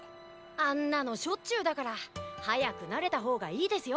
あんなのしょっちゅうだから早く慣れた方がいいですよ。